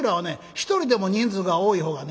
一人でも人数が多い方がね